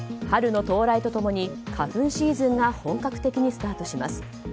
春の到来と共に花粉シーズンが本格的にスタートします。